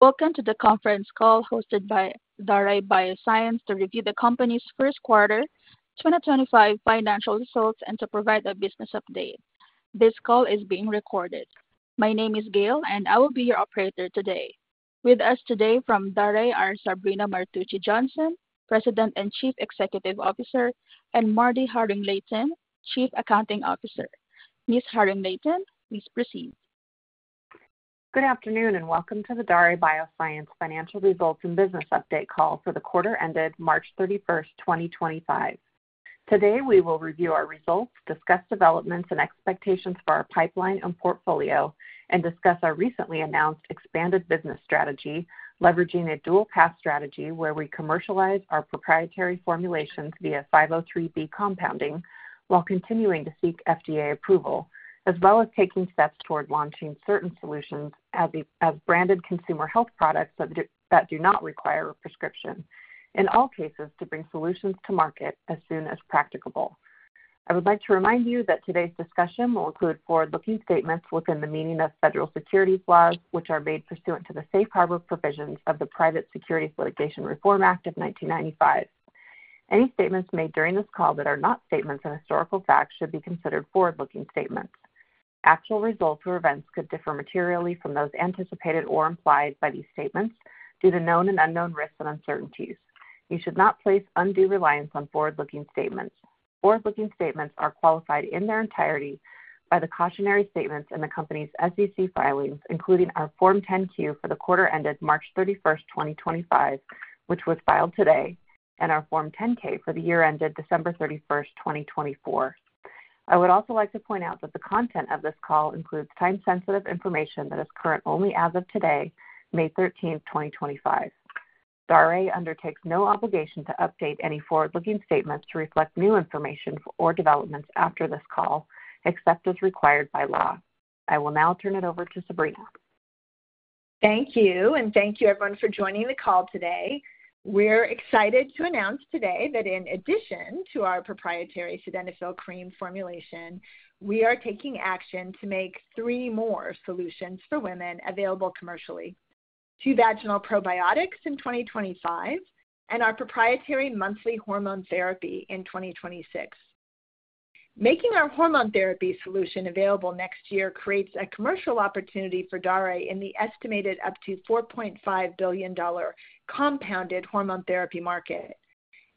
Welcome to the conference call hosted by Daré Bioscience to review the company's first quarter 2025 financial results and to provide a business update. This call is being recorded. My name is Gayle, and I will be your operator today. With us today from Daré are Sabrina Martucci Johnson, President and Chief Executive Officer, and MarDee Haring-Layton, Chief Accounting Officer. Ms. Haring-Layton, please proceed. Good afternoon, and welcome to the Daré Bioscience financial results and business update call for the quarter ended March 31st, 2025. Today, we will review our results, discuss developments and expectations for our pipeline and portfolio, and discuss our recently announced expanded business strategy, leveraging a dual-path strategy where we commercialize our proprietary formulations via 503(b) compounding while continuing to seek FDA approval, as well as taking steps toward launching certain solutions as branded consumer health products that do not require a prescription, in all cases to bring solutions to market as soon as practicable. I would like to remind you that today's discussion will include forward-looking statements within the meaning of federal securities laws, which are made pursuant to the safe harbor provisions of the Private Securities Litigation Reform Act of 1995. Any statements made during this call that are not statements and historical facts should be considered forward-looking statements. Actual results or events could differ materially from those anticipated or implied by these statements due to known and unknown risks and uncertainties. You should not place undue reliance on forward-looking statements. Forward-looking statements are qualified in their entirety by the cautionary statements in the company's SEC filings, including our Form 10-Q for the quarter ended March 31st, 2025, which was filed today, and our Form 10-K for the year ended December 31st, 2024. I would also like to point out that the content of this call includes time-sensitive information that is current only as of today, May 13, 2025. Daré undertakes no obligation to update any forward-looking statements to reflect new information or developments after this call, except as required by law. I will now turn it over to Sabrina. Thank you, and thank you everyone for joining the call today. We're excited to announce today that in addition to our proprietary Sildenafil Cream formulation, we are taking action to make three more solutions for women available commercially: two vaginal probiotics in 2025 and our proprietary monthly hormone therapy in 2026. Making our hormone therapy solution available next year creates a commercial opportunity for Daré in the estimated up to $4.5 billion compounded hormone therapy market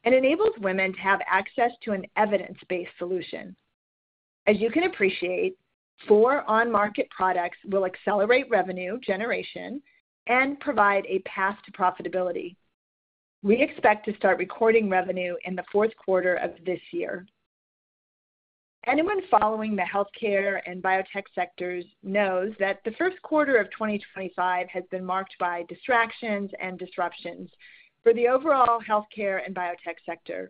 and enables women to have access to an evidence-based solution. As you can appreciate, four on-market products will accelerate revenue generation and provide a path to profitability. We expect to start recording revenue in the fourth quarter of this year. Anyone following the healthcare and biotech sectors knows that the first quarter of 2025 has been marked by distractions and disruptions for the overall healthcare and biotech sector.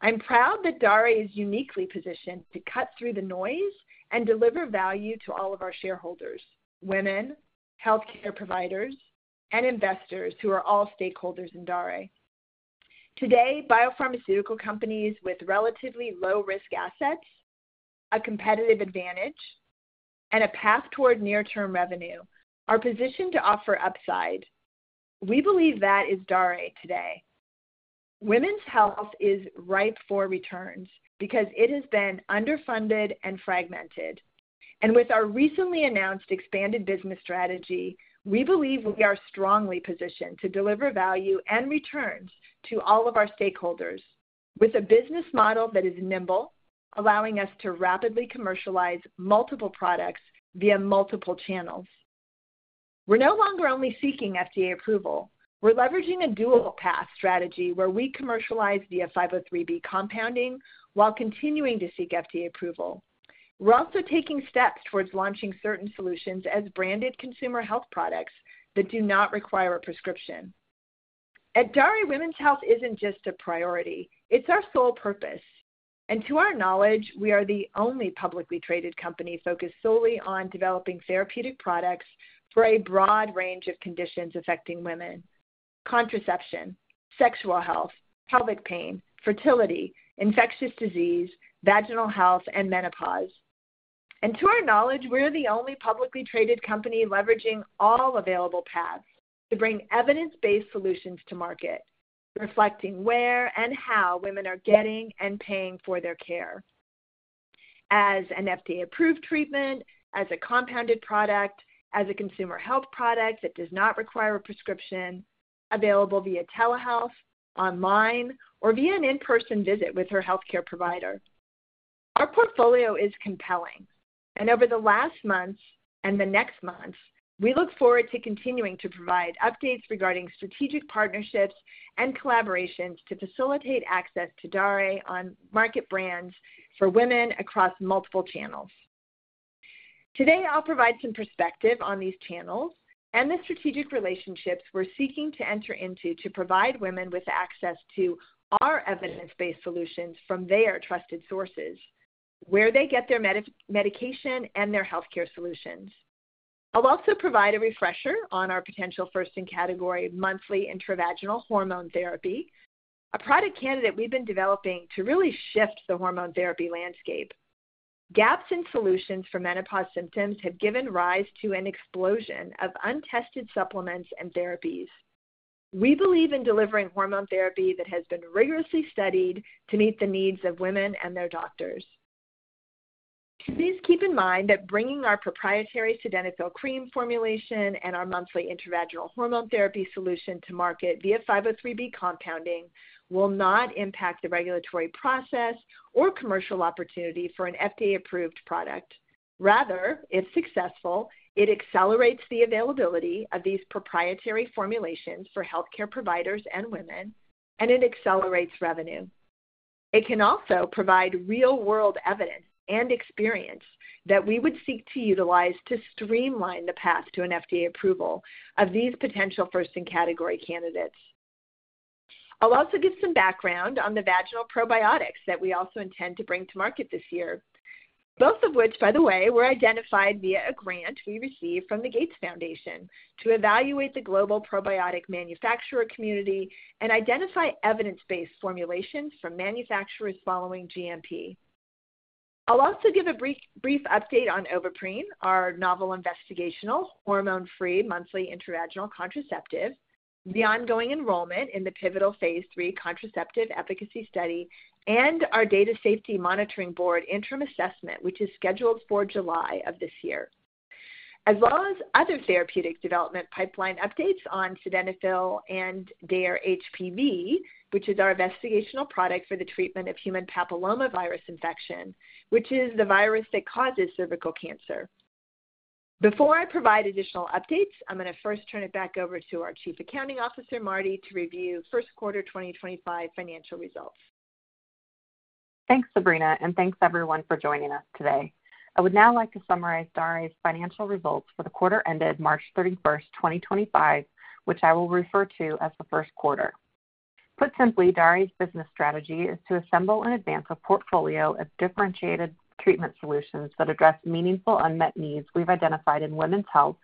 I'm proud that Daré is uniquely positioned to cut through the noise and deliver value to all of our shareholders, women, healthcare providers, and investors who are all stakeholders in Daré. Today, biopharmaceutical companies with relatively low-risk assets, a competitive advantage, and a path toward near-term revenue are positioned to offer upside. We believe that is Daré today. Women's health is ripe for returns because it has been underfunded and fragmented. With our recently announced expanded business strategy, we believe we are strongly positioned to deliver value and returns to all of our stakeholders with a business model that is nimble, allowing us to rapidly commercialize multiple products via multiple channels. We're no longer only seeking FDA approval. We're leveraging a dual-path strategy where we commercialize via 503(b) compounding while continuing to seek FDA approval. We're also taking steps towards launching certain solutions as branded consumer health products that do not require a prescription. At Daré, women's health isn't just a priority. It's our sole purpose. To our knowledge, we are the only publicly traded company focused solely on developing therapeutic products for a broad range of conditions affecting women: contraception, sexual health, pelvic pain, fertility, infectious disease, vaginal health, and menopause. To our knowledge, we're the only publicly traded company leveraging all available paths to bring evidence-based solutions to market, reflecting where and how women are getting and paying for their care: as an FDA-approved treatment, as a compounded product, as a consumer health product that does not require a prescription, available via telehealth, online, or via an in-person visit with her healthcare provider. Our portfolio is compelling, and over the last months and the next months, we look forward to continuing to provide updates regarding strategic partnerships and collaborations to facilitate access to Daré on-market brands for women across multiple channels. Today, I'll provide some perspective on these channels and the strategic relationships we're seeking to enter into to provide women with access to our evidence-based solutions from their trusted sources, where they get their medication and their healthcare solutions. I'll also provide a refresher on our potential first-in-category monthly intravaginal hormone therapy, a product candidate we've been developing to really shift the hormone therapy landscape. Gaps in solutions for menopause symptoms have given rise to an explosion of untested supplements and therapies. We believe in delivering hormone therapy that has been rigorously studied to meet the needs of women and their doctors. Please keep in mind that bringing our proprietary Sildenafil Cream formulation and our monthly intravaginal hormone therapy solution to market via 503(b) compounding will not impact the regulatory process or commercial opportunity for an FDA-approved product. Rather, if successful, it accelerates the availability of these proprietary formulations for healthcare providers and women, and it accelerates revenue. It can also provide real-world evidence and experience that we would seek to utilize to streamline the path to an FDA approval of these potential first-in-category candidates. I'll also give some background on the vaginal probiotics that we also intend to bring to market this year, both of which, by the way, were identified via a grant we received from the Gates Foundation to evaluate the global probiotic manufacturer community and identify evidence-based formulations from manufacturers following GMP. I'll also give a brief update on Ovaprene, our novel investigational hormone-free monthly intravaginal contraceptive, the ongoing enrollment in the pivotal phase three contraceptive efficacy study, and our Data Safety Monitoring Board interim assessment, which is scheduled for July of this year. As well as other therapeutic development pipeline updates on Sildenafil and DARE-HPV, which is our investigational product for the treatment of human papillomavirus infection, which is the virus that causes cervical cancer. Before I provide additional updates, I'm going to first turn it back over to our Chief Accounting Officer, MarDee Haring-Layton, to review first quarter 2025 financial results. Thanks, Sabrina, and thanks everyone for joining us today. I would now like to summarize Daré's financial results for the quarter ended March 31st, 2025, which I will refer to as the first quarter. Put simply, Daré's business strategy is to assemble and advance a portfolio of differentiated treatment solutions that address meaningful unmet needs we've identified in women's health,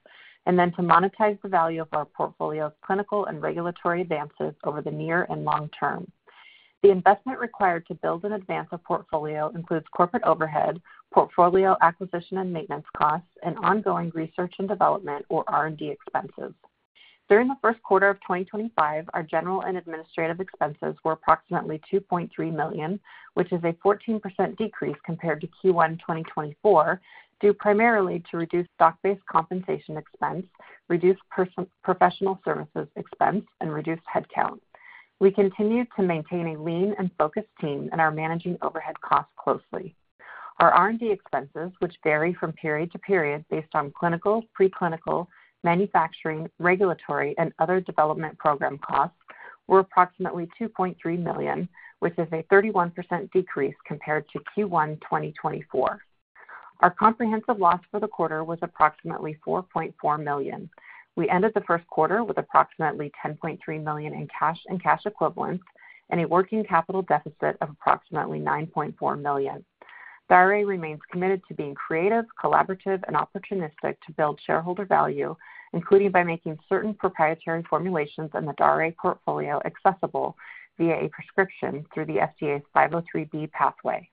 and then to monetize the value of our portfolio's clinical and regulatory advances over the near and long term. The investment required to build and advance a portfolio includes corporate overhead, portfolio acquisition and maintenance costs, and ongoing research and development or R&D expenses. During the first quarter of 2025, our general and administrative expenses were approximately $2.3 million, which is a 14% decrease compared to Q1 2024, due primarily to reduced stock-based compensation expense, reduced professional services expense, and reduced headcount. We continue to maintain a lean and focused team and are managing overhead costs closely. Our R&D expenses, which vary from period to period based on clinical, preclinical, manufacturing, regulatory, and other development program costs, were approximately $2.3 million, which is a 31% decrease compared to Q1 2024. Our comprehensive loss for the quarter was approximately $4.4 million. We ended the first quarter with approximately $10.3 million in cash and cash equivalents and a working capital deficit of approximately $9.4 million. Daré remains committed to being creative, collaborative, and opportunistic to build shareholder value, including by making certain proprietary formulations in the Daré portfolio accessible via a prescription through the FDA's 503(b) pathway.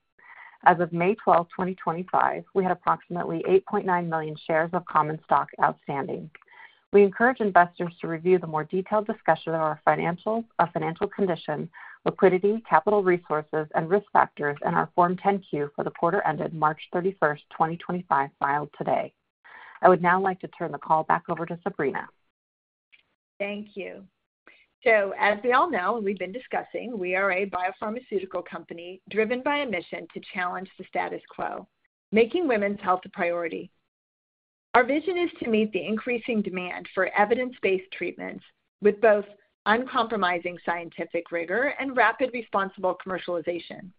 As of May 12, 2025, we had approximately 8.9 million shares of common stock outstanding. We encourage investors to review the more detailed discussion of our financial condition, liquidity, capital resources, and risk factors in our Form 10-Q for the quarter ended March 31, 2025, filed today. I would now like to turn the call back over to Sabrina. Thank you. As we all know and we've been discussing, we are a biopharmaceutical company driven by a mission to challenge the status quo, making women's health a priority. Our vision is to meet the increasing demand for evidence-based treatments with both uncompromising scientific rigor and rapid, responsible commercialization.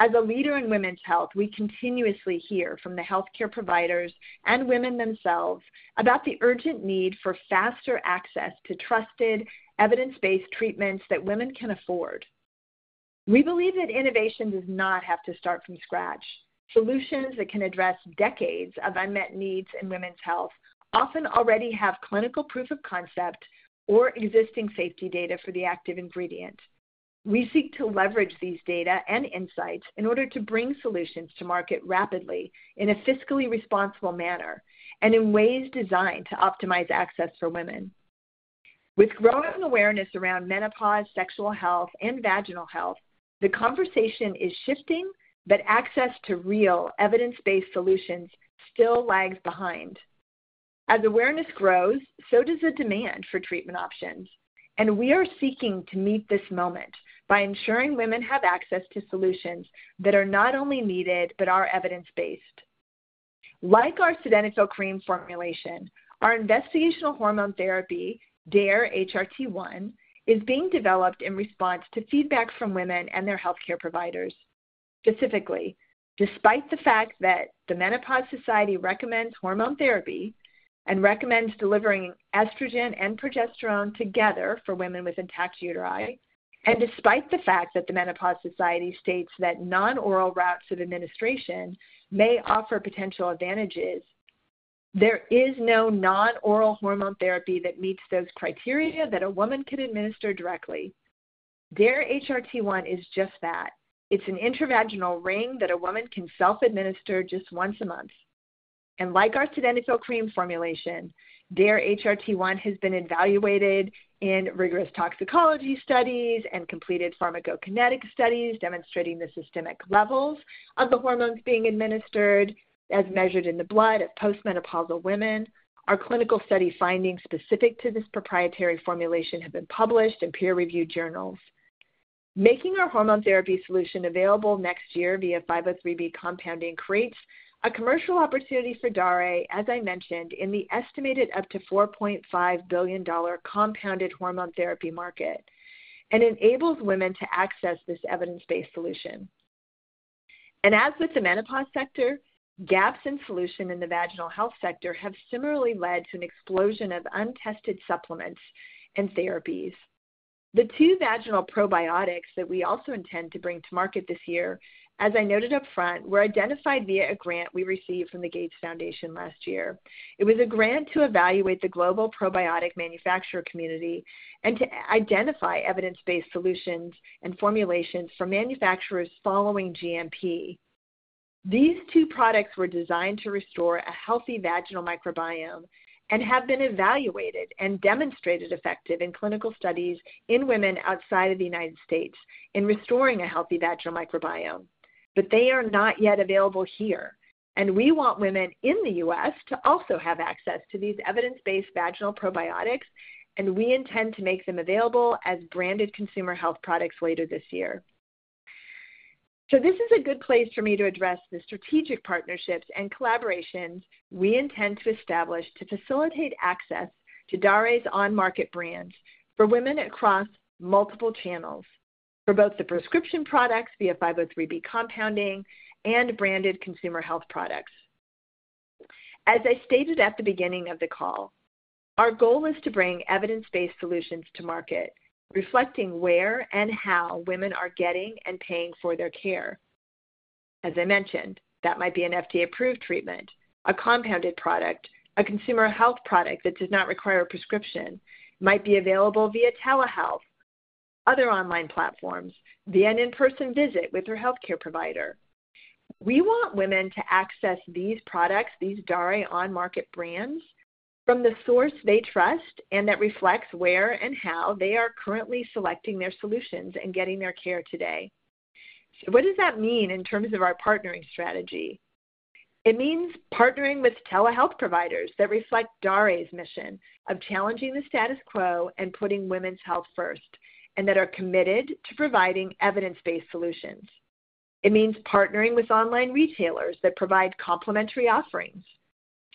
As a leader in women's health, we continuously hear from the healthcare providers and women themselves about the urgent need for faster access to trusted, evidence-based treatments that women can afford. We believe that innovation does not have to start from scratch. Solutions that can address decades of unmet needs in women's health often already have clinical proof of concept or existing safety data for the active ingredient. We seek to leverage these data and insights in order to bring solutions to market rapidly in a fiscally responsible manner and in ways designed to optimize access for women. With growing awareness around menopause, sexual health, and vaginal health, the conversation is shifting, but access to real, evidence-based solutions still lags behind. As awareness grows, so does the demand for treatment options, and we are seeking to meet this moment by ensuring women have access to solutions that are not only needed but are evidence-based. Like our Sildenafil Cream formulation, our investigational hormone therapy, DARE-HRT1, is being developed in response to feedback from women and their healthcare providers. Specifically, despite the fact that the Menopause Society recommends hormone therapy and recommends delivering estrogen and progesterone together for women with intact uteri, and despite the fact that the Menopause Society states that non-oral routes of administration may offer potential advantages, there is no non-oral hormone therapy that meets those criteria that a woman can administer directly. DARE-HRT1 is just that. It's an intravaginal ring that a woman can self-administer just once a month. Like our Sildenafil Cream formulation, DARE-HRT1 has been evaluated in rigorous toxicology studies and completed pharmacokinetic studies demonstrating the systemic levels of the hormones being administered, as measured in the blood of postmenopausal women. Our clinical study findings specific to this proprietary formulation have been published in peer-reviewed journals. Making our hormone therapy solution available next year via 503(b) compounding creates a commercial opportunity for Daré, as I mentioned, in the estimated up to $4.5 billion compounded hormone therapy market and enables women to access this evidence-based solution. As with the menopause sector, gaps in solution in the vaginal health sector have similarly led to an explosion of untested supplements and therapies. The two vaginal probiotics that we also intend to bring to market this year, as I noted upfront, were identified via a grant we received from the Gates Foundation last year. It was a grant to evaluate the global probiotic manufacturer community and to identify evidence-based solutions and formulations for manufacturers following GMP. These two products were designed to restore a healthy vaginal microbiome and have been evaluated and demonstrated effective in clinical studies in women outside of the U.S. in restoring a healthy vaginal microbiome, but they are not yet available here. We want women in the U.S. to also have access to these evidence-based vaginal probiotics, and we intend to make them available as branded consumer health products later this year. This is a good place for me to address the strategic partnerships and collaborations we intend to establish to facilitate access to Daré's on-market brands for women across multiple channels, for both the prescription products via 503(b) compounding and branded consumer health products. As I stated at the beginning of the call, our goal is to bring evidence-based solutions to market, reflecting where and how women are getting and paying for their care. As I mentioned, that might be an FDA-approved treatment, a compounded product, a consumer health product that does not require a prescription, might be available via telehealth, other online platforms, via an in-person visit with your healthcare provider. We want women to access these products, these Daré on-market brands, from the source they trust and that reflects where and how they are currently selecting their solutions and getting their care today. What does that mean in terms of our partnering strategy? It means partnering with telehealth providers that reflect Daré's mission of challenging the status quo and putting women's health first, and that are committed to providing evidence-based solutions. It means partnering with online retailers that provide complementary offerings.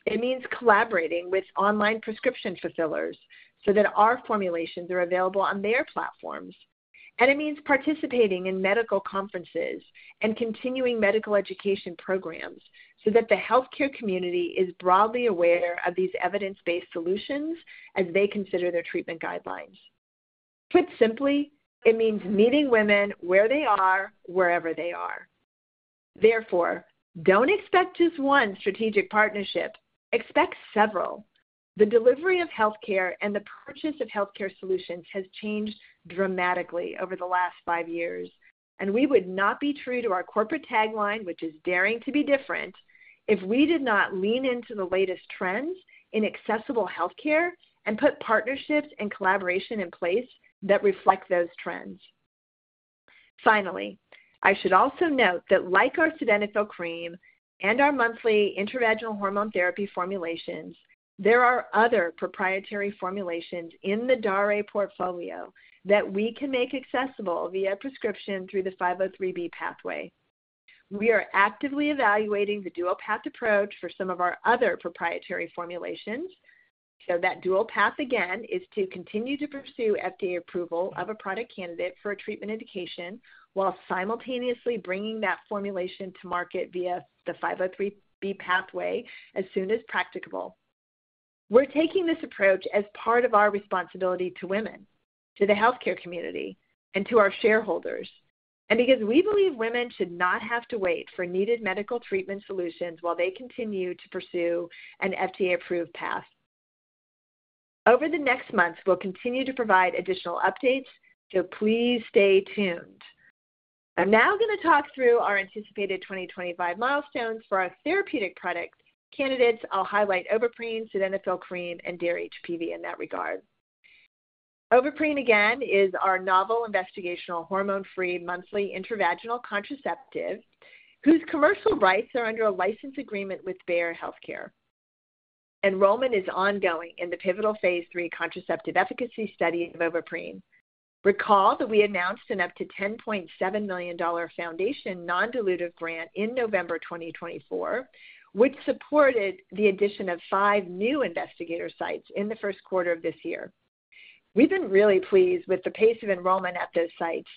It means collaborating with online prescription fulfillers so that our formulations are available on their platforms. It means participating in medical conferences and continuing medical education programs so that the healthcare community is broadly aware of these evidence-based solutions as they consider their treatment guidelines. Put simply, it means meeting women where they are, wherever they are. Therefore, do not expect just one strategic partnership. Expect several. The delivery of healthcare and the purchase of healthcare solutions has changed dramatically over the last five years, and we would not be true to our corporate tagline, which is "Daring to be different," if we did not lean into the latest trends in accessible healthcare and put partnerships and collaboration in place that reflect those trends. Finally, I should also note that like our Sildenafil Cream and our monthly intravaginal hormone therapy formulations, there are other proprietary formulations in the Daré portfolio that we can make accessible via prescription through the 503(b) pathway. We are actively evaluating the dual-path approach for some of our other proprietary formulations. That dual path, again, is to continue to pursue FDA approval of a product candidate for a treatment indication while simultaneously bringing that formulation to market via the 503(b) pathway as soon as practicable. We're taking this approach as part of our responsibility to women, to the healthcare community, and to our shareholders, and because we believe women should not have to wait for needed medical treatment solutions while they continue to pursue an FDA-approved path. Over the next months, we'll continue to provide additional updates, so please stay tuned. I'm now going to talk through our anticipated 2025 milestones for our therapeutic product candidates. I'll highlight Ovaprene, Sildenafil Cream, and DARE-HPV in that regard. Ovaprene, again, is our novel investigational hormone-free monthly intravaginal contraceptive whose commercial rights are under a license agreement with DARE Healthcare. Enrollment is ongoing in the pivotal phase three contraceptive efficacy study of Ovaprene. Recall that we announced an up to $10.7 million foundation non-dilutive grant in November 2024, which supported the addition of five new investigator sites in the first quarter of this year. We've been really pleased with the pace of enrollment at those sites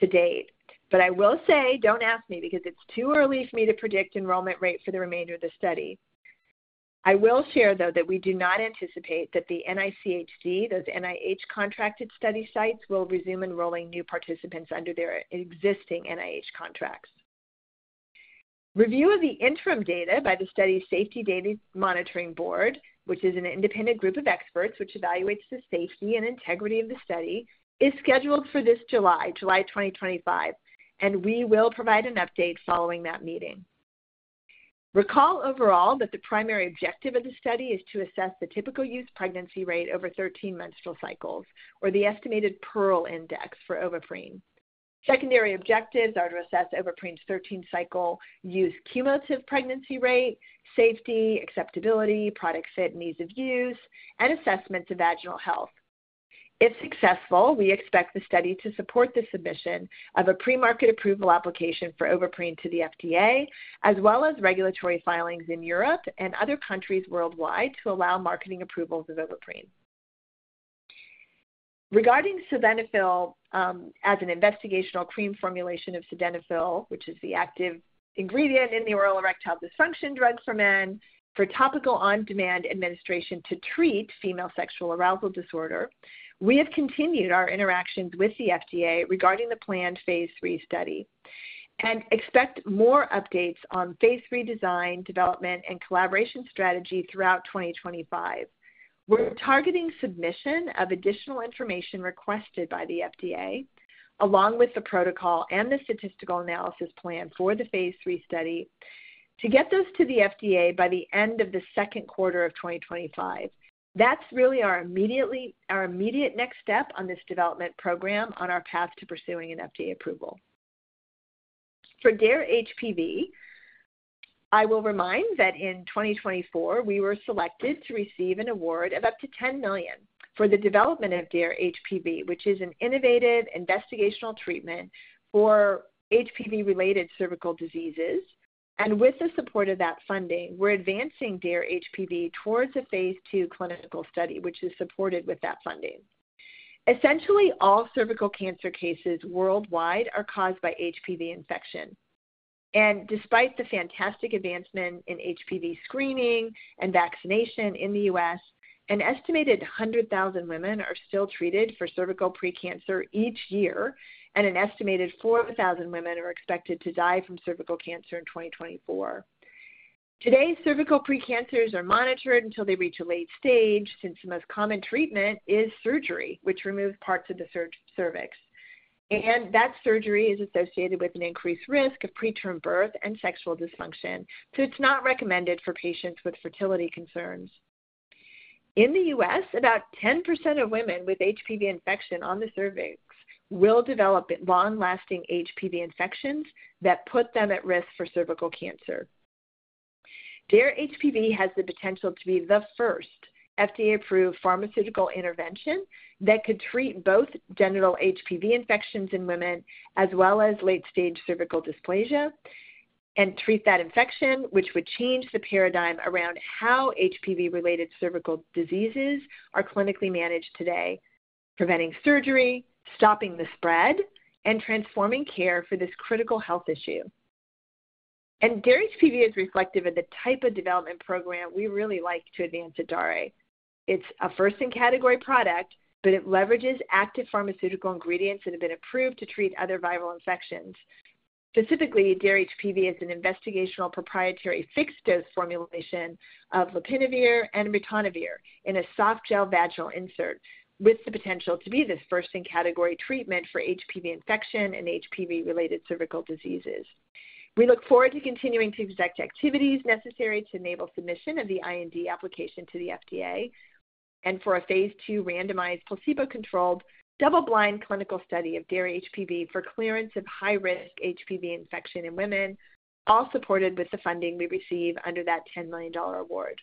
to date, but I will say, don't ask me because it's too early for me to predict enrollment rate for the remainder of the study. I will share, though, that we do not anticipate that the NICHD, those NIH contracted study sites, will resume enrolling new participants under their existing NIH contracts. Review of the interim data by the Data Safety Monitoring Board, which is an independent group of experts that evaluates the safety and integrity of the study, is scheduled for this July, July 2025, and we will provide an update following that meeting. Recall overall that the primary objective of the study is to assess the typical use pregnancy rate over 13 menstrual cycles, or the estimated Pearl Index for Ovaprene. Secondary objectives are to assess Ovaprene's 13-cycle use cumulative pregnancy rate, safety, acceptability, product fit and ease of use, and assessments of vaginal health. If successful, we expect the study to support the submission of a pre-market approval application for Ovaprene to the FDA, as well as regulatory filings in Europe and other countries worldwide to allow marketing approvals of Ovaprene. Regarding Sildenafil Cream as an investigational cream formulation of sildenafil, which is the active ingredient in the oral erectile dysfunction drug for men, for topical on-demand administration to treat female sexual arousal disorder, we have continued our interactions with the FDA regarding the planned phase three study and expect more updates on phase three design, development, and collaboration strategy throughout 2025. We're targeting submission of additional information requested by the FDA, along with the protocol and the statistical analysis plan for the phase three study, to get those to the FDA by the end of the second quarter of 2025. That's really our immediate next step on this development program on our path to pursuing an FDA approval. For DARE HPV, I will remind that in 2024, we were selected to receive an award of up to $10 million for the development of DARE HPV, which is an innovative investigational treatment for HPV-related cervical diseases. With the support of that funding, we're advancing DARE HPV towards a phase two clinical study, which is supported with that funding. Essentially, all cervical cancer cases worldwide are caused by HPV infection. Despite the fantastic advancement in HPV screening and vaccination in the U.S., an estimated 100,000 women are still treated for cervical precancer each year, and an estimated 4,000 women are expected to die from cervical cancer in 2024. Today, cervical precancers are monitored until they reach a late stage, since the most common treatment is surgery, which removes parts of the cervix. That surgery is associated with an increased risk of preterm birth and sexual dysfunction, so it's not recommended for patients with fertility concerns. In the U.S., about 10% of women with HPV infection on the cervix will develop long-lasting HPV infections that put them at risk for cervical cancer. DARE HPV has the potential to be the first FDA-approved pharmaceutical intervention that could treat both genital HPV infections in women as well as late-stage cervical dysplasia and treat that infection, which would change the paradigm around how HPV-related cervical diseases are clinically managed today, preventing surgery, stopping the spread, and transforming care for this critical health issue. DARE HPV is reflective of the type of development program we really like to advance at Daré. It's a first-in-category product, but it leverages active pharmaceutical ingredients that have been approved to treat other viral infections. Specifically, DARE HPV is an investigational proprietary fixed-dose formulation of lopinavir and ritonavir in a soft gel vaginal insert, with the potential to be this first-in-category treatment for HPV infection and HPV-related cervical diseases. We look forward to continuing to execute activities necessary to enable submission of the IND application to the FDA and for a phase two randomized placebo-controlled double-blind clinical study of DARE-HPV for clearance of high-risk HPV infection in women, all supported with the funding we receive under that $10 million award.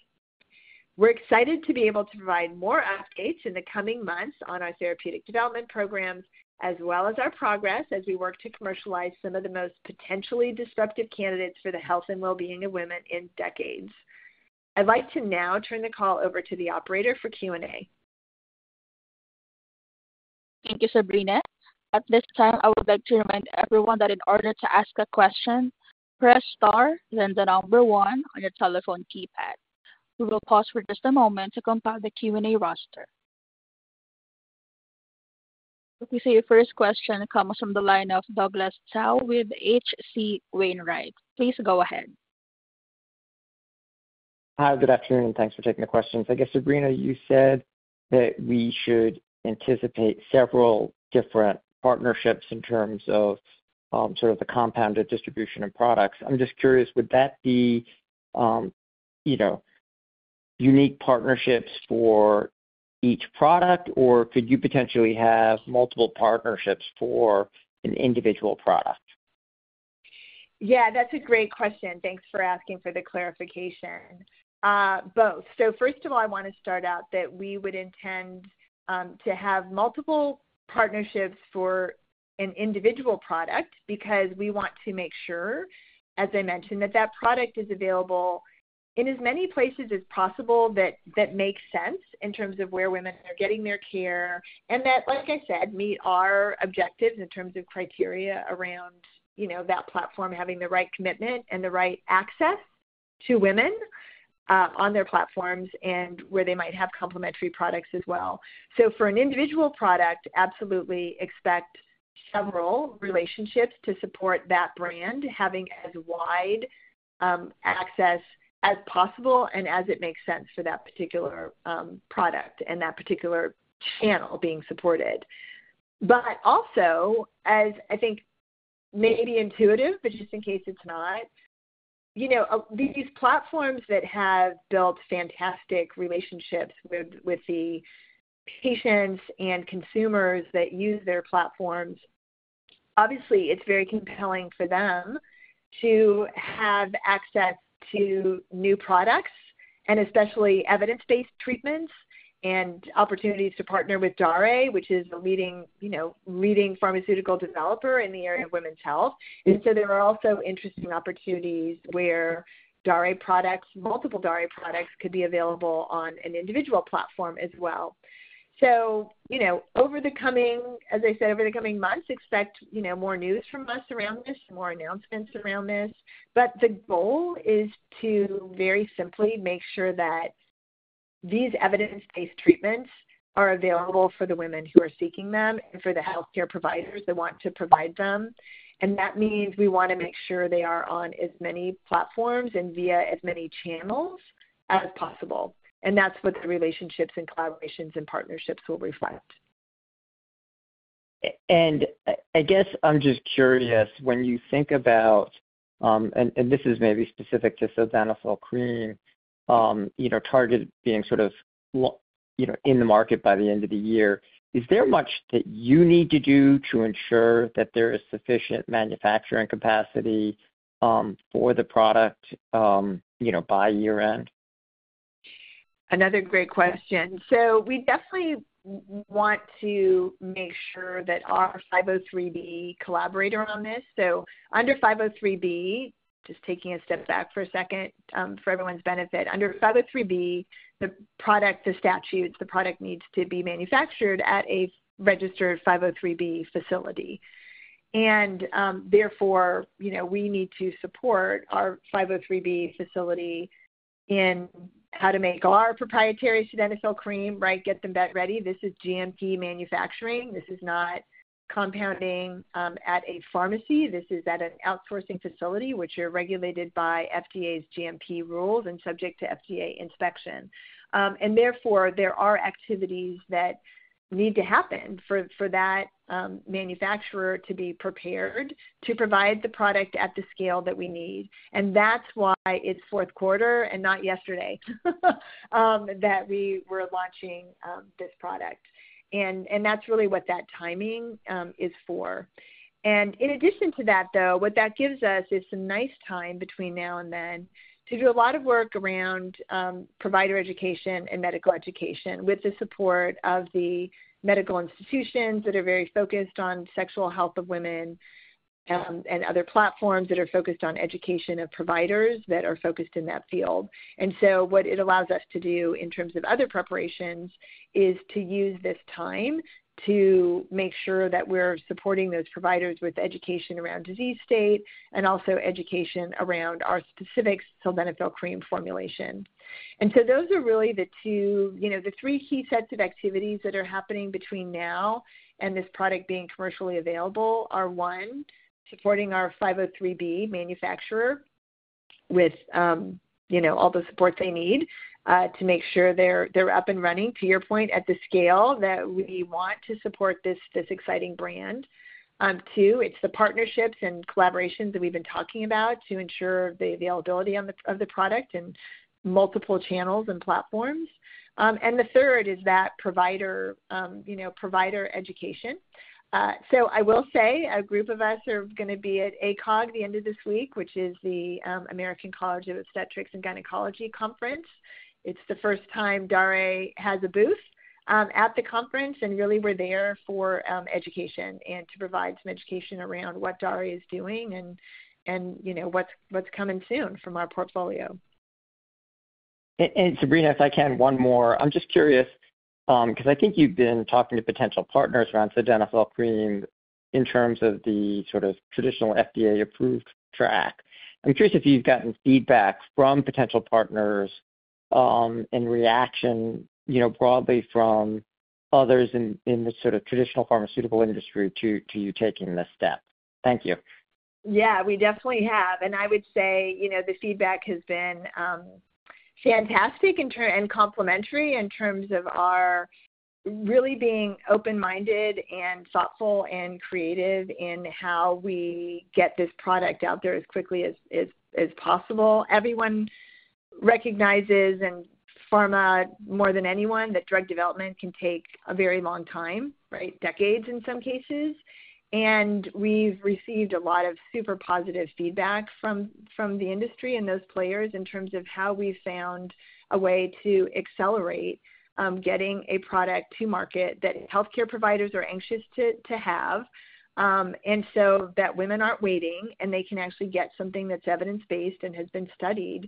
We're excited to be able to provide more updates in the coming months on our therapeutic development programs, as well as our progress as we work to commercialize some of the most potentially disruptive candidates for the health and well-being of women in decades. I'd like to now turn the call over to the operator for Q&A. Thank you, Sabrina. At this time, I would like to remind everyone that in order to ask a question, press star and then the number one on your telephone keypad. We will pause for just a moment to compile the Q&A roster. We see your first question comes from the line of Douglas Chow with HC Wainwright. Please go ahead. Hi, good afternoon, and thanks for taking the question. I guess, Sabrina, you said that we should anticipate several different partnerships in terms of sort of the compounded distribution of products. I'm just curious, would that be unique partnerships for each product, or could you potentially have multiple partnerships for an individual product? Yeah, that's a great question. Thanks for asking for the clarification. Both. First of all, I want to start out that we would intend to have multiple partnerships for an individual product because we want to make sure, as I mentioned, that that product is available in as many places as possible that makes sense in terms of where women are getting their care and that, like I said, meet our objectives in terms of criteria around that platform having the right commitment and the right access to women on their platforms and where they might have complementary products as well. For an individual product, absolutely expect several relationships to support that brand, having as wide access as possible and as it makes sense for that particular product and that particular channel being supported. But also, as I think may be intuitive, but just in case it's not, these platforms that have built fantastic relationships with the patients and consumers that use their platforms, obviously, it's very compelling for them to have access to new products and especially evidence-based treatments and opportunities to partner with Daré, which is a leading pharmaceutical developer in the area of women's health. There are also interesting opportunities where multiple Daré products could be available on an individual platform as well. Over the coming, as I said, over the coming months, expect more news from us around this, more announcements around this. The goal is to very simply make sure that these evidence-based treatments are available for the women who are seeking them and for the healthcare providers that want to provide them. That means we want to make sure they are on as many platforms and via as many channels as possible. That is what the relationships and collaborations and partnerships will reflect. I guess I'm just curious, when you think about, and this is maybe specific to Sildenafil Cream, target being sort of in the market by the end of the year, is there much that you need to do to ensure that there is sufficient manufacturing capacity for the product by year-end? Another great question. We definitely want to make sure that our 503(b) collaborator on this. Under 503(b), just taking a step back for a second for everyone's benefit, under 503(b), the product, the statute, the product needs to be manufactured at a registered 503(b) facility. Therefore, we need to support our 503(b) facility in how to make our proprietary Sildenafil Cream, right, get them ready. This is GMP manufacturing. This is not compounding at a pharmacy. This is at an outsourcing facility, which are regulated by FDA's GMP rules and subject to FDA inspection. Therefore, there are activities that need to happen for that manufacturer to be prepared to provide the product at the scale that we need. That's why it's fourth quarter and not yesterday that we were launching this product. That's really what that timing is for. In addition to that, though, what that gives us is some nice time between now and then to do a lot of work around provider education and medical education with the support of the medical institutions that are very focused on sexual health of women and other platforms that are focused on education of providers that are focused in that field. What it allows us to do in terms of other preparations is to use this time to make sure that we're supporting those providers with education around disease state and also education around our specific Sildenafil Cream formulation. Those are really the three key sets of activities that are happening between now and this product being commercially available. One, supporting our 503(b) manufacturer with all the support they need to make sure they're up and running, to your point, at the scale that we want to support this exciting brand. Two, it's the partnerships and collaborations that we've been talking about to ensure the availability of the product in multiple channels and platforms. The third is that provider education. A group of us are going to be at ACOG at the end of this week, which is the American College of Obstetrics and Gynecology Conference. It is the first time Daré has a booth at the conference. We are there for education and to provide some education around what Daré is doing and what's coming soon from our portfolio. Sabrina, if I can, one more. I'm just curious because I think you've been talking to potential partners around Sildenafil Cream in terms of the sort of traditional FDA-approved track. I'm curious if you've gotten feedback from potential partners and reaction broadly from others in the sort of traditional pharmaceutical industry to you taking this step. Thank you. Yeah, we definitely have. I would say the feedback has been fantastic and complimentary in terms of our really being open-minded and thoughtful and creative in how we get this product out there as quickly as possible. Everyone recognizes in pharma more than anyone that drug development can take a very long time, right, decades in some cases. We have received a lot of super positive feedback from the industry and those players in terms of how we have found a way to accelerate getting a product to market that healthcare providers are anxious to have, so that women are not waiting and they can actually get something that is evidence-based and has been studied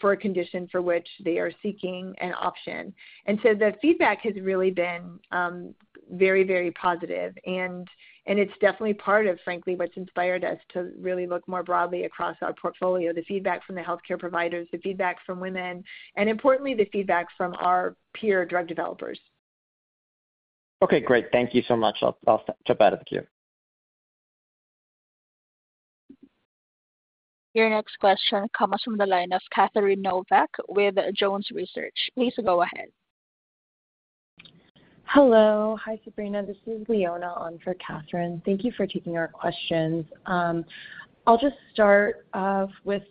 for a condition for which they are seeking an option. The feedback has really been very, very positive. It is definitely part of, frankly, what has inspired us to really look more broadly across our portfolio: the feedback from the healthcare providers, the feedback from women, and importantly, the feedback from our peer drug developers. Okay, great. Thank you so much. I will jump out of the queue. Your next question comes from the line of Katherine Novak with Jones Research. Please go ahead. Hello. Hi, Sabrina. This is Leona on for Katherine. Thank you for taking our questions. I'll just start with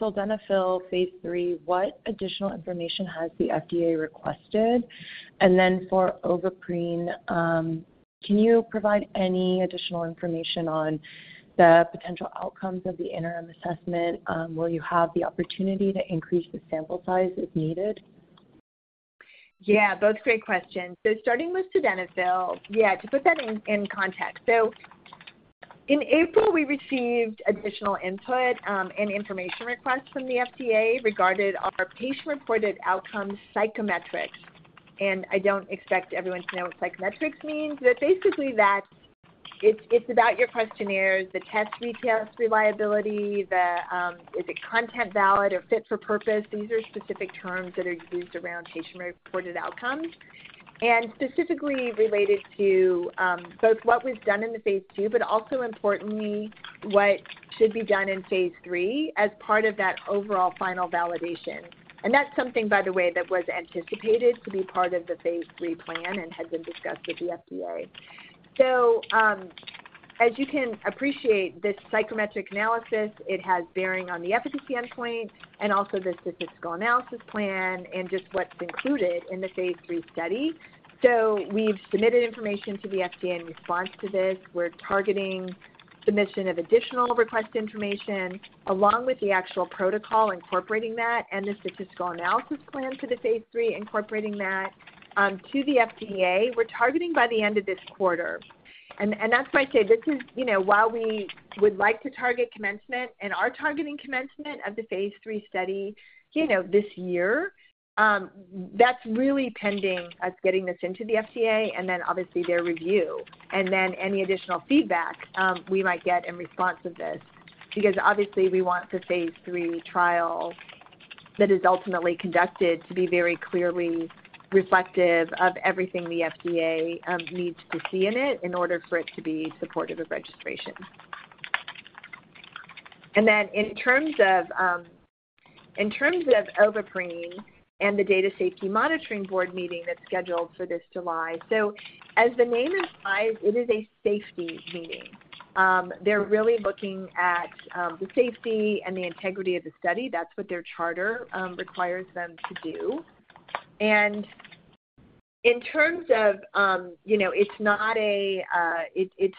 Sildenafil phase three. What additional information has the FDA requested? For Ovaprene, can you provide any additional information on the potential outcomes of the interim assessment? Will you have the opportunity to increase the sample size if needed? Yeah, both great questions. Starting with Sildenafil, to put that in context. In April, we received additional input and information requests from the FDA regarding our patient-reported outcome psychometrics. I don't expect everyone to know what psychometrics means. Basically, it's about your questionnaires, the test retails reliability, is it content valid or fit for purpose. These are specific terms that are used around patient-reported outcomes and specifically related to both what was done in the phase two, but also importantly, what should be done in phase three as part of that overall final validation. That's something, by the way, that was anticipated to be part of the phase three plan and had been discussed with the FDA. As you can appreciate, this psychometric analysis has bearing on the efficacy endpoint and also the statistical analysis plan and just what's included in the phase three study. We've submitted information to the FDA in response to this. We're targeting submission of additional requested information along with the actual protocol incorporating that and the statistical analysis plan for the phase three incorporating that to the FDA. We're targeting by the end of this quarter. That's why I say this is, while we would like to target commencement and are targeting commencement of the phase three study this year, that's really pending us getting this into the FDA and then obviously their review. Then any additional feedback we might get in response to this because obviously, we want the phase three trial that is ultimately conducted to be very clearly reflective of everything the FDA needs to see in it in order for it to be supportive of registration. Then in terms of Ovaprene and the Data Safety Monitoring Board meeting that's scheduled for this July, as the name implies, it is a safety meeting. They're really looking at the safety and the integrity of the study. That's what their charter requires them to do. In terms of it's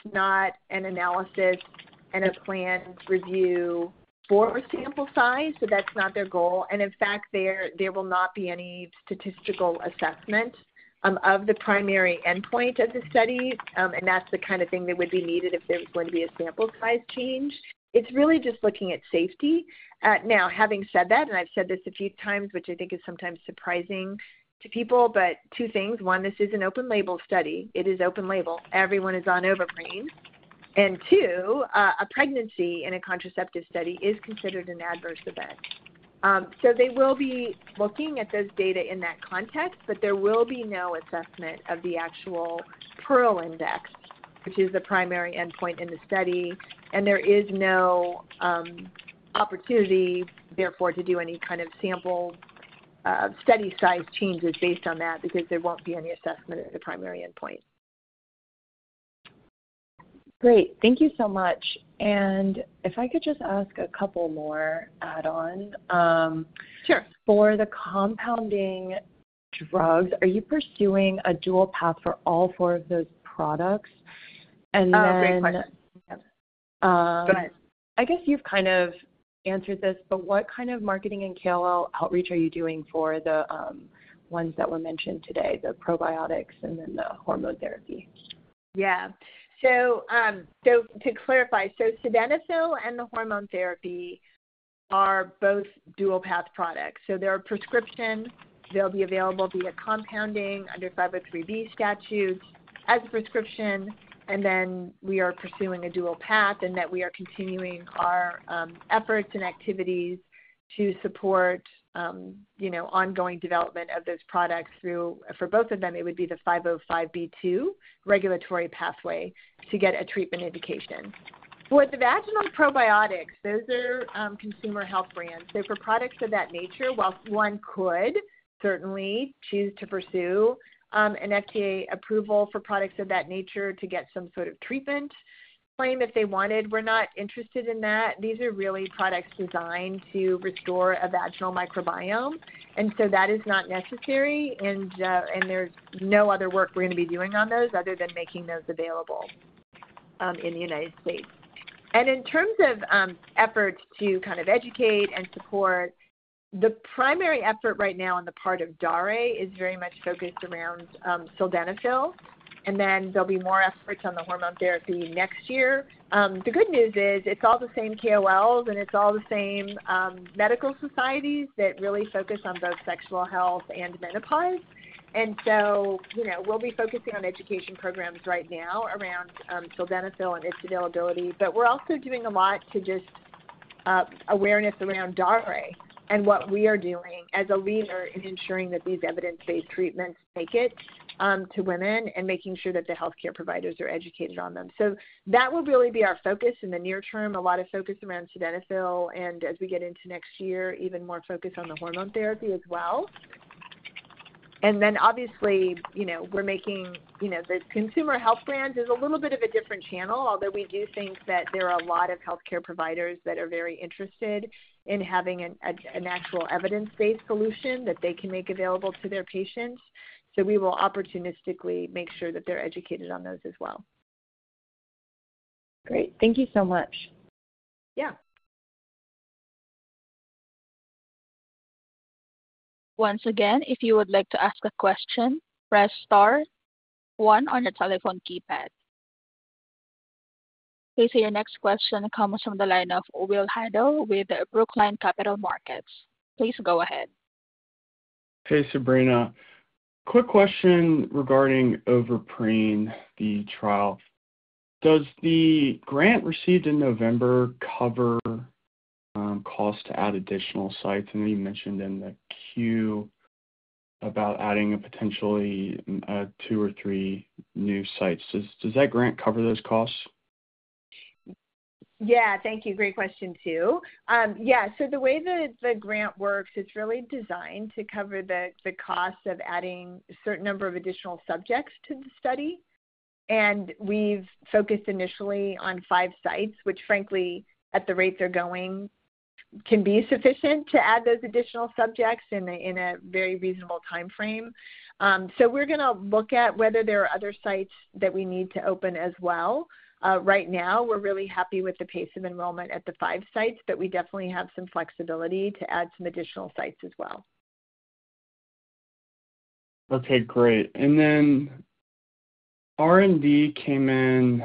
not an analysis and a planned review for sample size, that's not their goal. In fact, there will not be any statistical assessment of the primary endpoint of the study. That is the kind of thing that would be needed if there was going to be a sample size change. It is really just looking at safety. Now, having said that, and I have said this a few times, which I think is sometimes surprising to people, but two things. One, this is an open-label study. It is open-label. Everyone is on Ovaprene. Two, a pregnancy in a contraceptive study is considered an adverse event. They will be looking at those data in that context, but there will be no assessment of the actual Pearl Index, which is the primary endpoint in the study. There is no opportunity, therefore, to do any kind of sample study size changes based on that because there will not be any assessment at the primary endpoint. Great. Thank you so much. If I could just ask a couple more add-on. Sure. For the compounding drugs, are you pursuing a dual path for all four of those products? Oh, great question. Yep. Go ahead. I guess you've kind of answered this, but what kind of marketing and KOL outreach are you doing for the ones that were mentioned today, the probiotics and then the hormone therapy? Yeah. To clarify, Sildenafil and the hormone therapy are both dual-path products. They're a prescription. They'll be available via compounding under 503(b) statutes as a prescription. We are pursuing a dual path in that we are continuing our efforts and activities to support ongoing development of those products through, for both of them, it would be the 505(b)(2) regulatory pathway to get a treatment indication. For the vaginal probiotics, those are consumer health brands. For products of that nature, while one could certainly choose to pursue an FDA approval for products of that nature to get some sort of treatment claim if they wanted, we're not interested in that. These are really products designed to restore a vaginal microbiome. That is not necessary. There's no other work we're going to be doing on those other than making those available in the United States. In terms of efforts to kind of educate and support, the primary effort right now on the part of Daré is very much focused around Sildenafil. There will be more efforts on the hormone therapy next year. The good news is it's all the same KOLs and it's all the same medical societies that really focus on both sexual health and menopause. We will be focusing on education programs right now around Sildenafil and its availability. We are also doing a lot to raise awareness around Daré and what we are doing as a leader in ensuring that these evidence-based treatments make it to women and making sure that the healthcare providers are educated on them. That will really be our focus in the near term, a lot of focus around Sildenafil. As we get into next year, even more focus on the hormone therapy as well. Obviously, we are making the consumer health brands, which is a little bit of a different channel, although we do think that there are a lot of healthcare providers that are very interested in having an actual evidence-based solution that they can make available to their patients. We will opportunistically make sure that they are educated on those as well. Great. Thank you so much. Yeah. Once again, if you would like to ask a question, press star one on your telephone keypad. Please say your next question comes from the line of Ollie Heidel with Brookline Capital Markets. Please go ahead. Hey, Sabrina. Quick question regarding Ovaprene, the trial. Does the grant received in November cover costs to add additional sites? I know you mentioned in the queue about adding potentially two or three new sites. Does that grant cover those costs? Yeah. Thank you. Great question too. Yeah. The way the grant works, it's really designed to cover the cost of adding a certain number of additional subjects to the study. We've focused initially on five sites, which frankly, at the rates they're going, can be sufficient to add those additional subjects in a very reasonable timeframe. We're going to look at whether there are other sites that we need to open as well. Right now, we're really happy with the pace of enrollment at the five sites, but we definitely have some flexibility to add some additional sites as well. Okay, great. R&D came in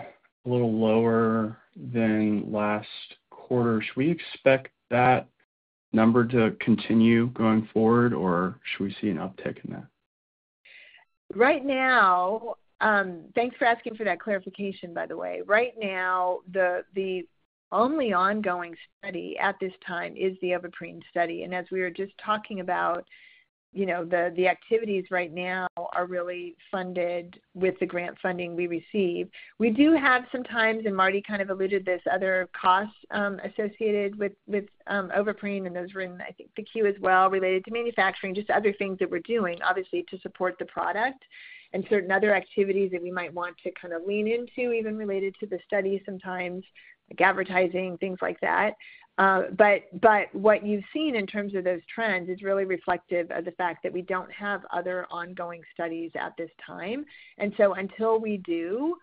a little lower than last quarter. Should we expect that number to continue going forward, or should we see an uptick in that? Right now, thanks for asking for that clarification, by the way. Right now, the only ongoing study at this time is the Ovaprene study. As we were just talking about, the activities right now are really funded with the grant funding we receive. We do have sometimes, and MarDee kind of alluded to this, other costs associated with Ovaprene, and those were in, I think, the queue as well related to manufacturing, just other things that we're doing, obviously, to support the product and certain other activities that we might want to kind of lean into, even related to the study sometimes, like advertising, things like that. What you've seen in terms of those trends is really reflective of the fact that we don't have other ongoing studies at this time. Until we do,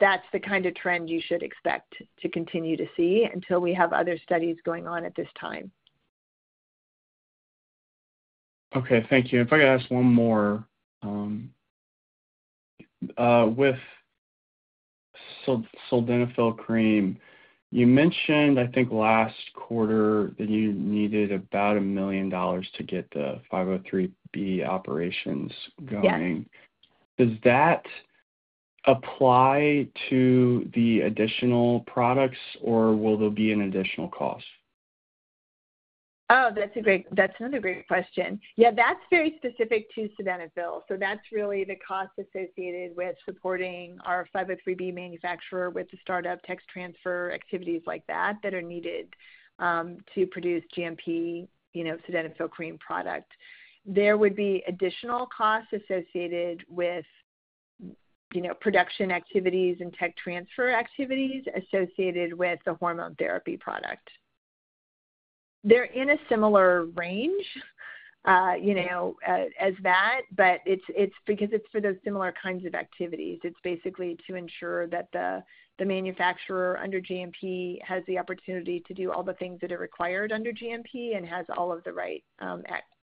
that's the kind of trend you should expect to continue to see until we have other studies going on at this time. Okay. Thank you. If I could ask one more. With Sildenafil Cream, you mentioned, I think, last quarter that you needed about $1 million to get the 503(b) operations going. Does that apply to the additional products, or will there be an additional cost? Oh, that's another great question. Yeah, that's very specific to Sildenafil. So that's really the cost associated with supporting our 503(b) manufacturer with the startup, tech transfer activities like that that are needed to produce GMP Sildenafil Cream product. There would be additional costs associated with production activities and tech transfer activities associated with the hormone therapy product. They're in a similar range as that, but it's because it's for those similar kinds of activities. It's basically to ensure that the manufacturer under GMP has the opportunity to do all the things that are required under GMP and has all of the right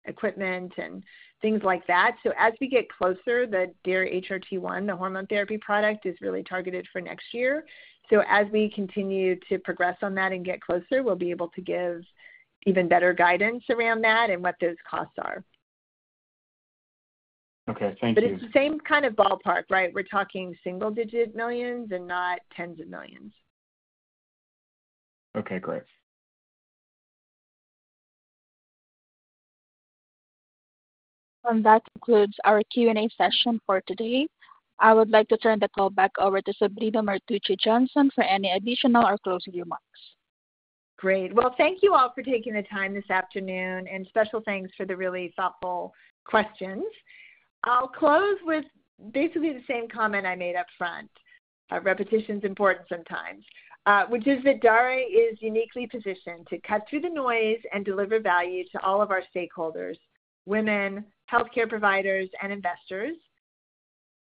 equipment and things like that. As we get closer, the DARE-HRT1, the hormone therapy product, is really targeted for next year. As we continue to progress on that and get closer, we'll be able to give even better guidance around that and what those costs are. Okay. Thank you. It's the same kind of ballpark, right? We're talking single-digit millions and not tens of millions. Okay. Great. That concludes our Q&A session for today. I would like to turn the call back over to Sabrina Martucci Johnson for any additional or closing remarks. Great. Thank you all for taking the time this afternoon, and special thanks for the really thoughtful questions. I'll close with basically the same comment I made up front. Repetition's important sometimes, which is that Daré is uniquely positioned to cut through the noise and deliver value to all of our stakeholders, women, healthcare providers, and investors.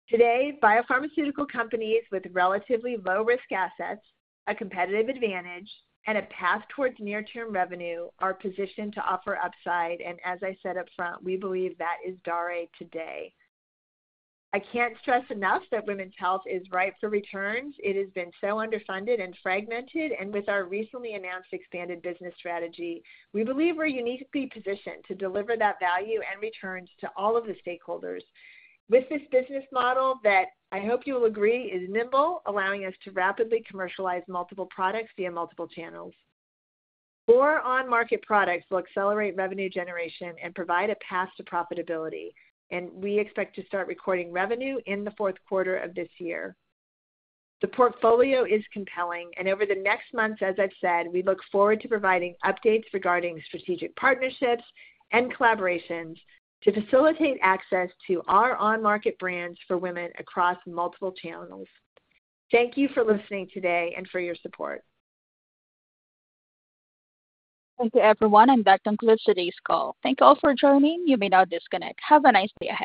Today, biopharmaceutical companies with relatively low-risk assets, a competitive advantage, and a path towards near-term revenue are positioned to offer upside. As I said upfront, we believe that is Daré today. I can't stress enough that Women's Health is ripe for returns. It has been so underfunded and fragmented. With our recently announced expanded business strategy, we believe we're uniquely positioned to deliver that value and returns to all of the stakeholders with this business model that I hope you will agree is nimble, allowing us to rapidly commercialize multiple products via multiple channels. Four on-market products will accelerate revenue generation and provide a path to profitability. We expect to start recording revenue in the fourth quarter of this year. The portfolio is compelling. Over the next months, as I've said, we look forward to providing updates regarding strategic partnerships and collaborations to facilitate access to our on-market brands for women across multiple channels. Thank you for listening today and for your support. Thank you, everyone. That concludes today's call. Thank you all for joining. You may now disconnect. Have a nice day.